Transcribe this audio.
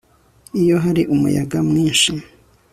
iyo hari umuyaga mwinshi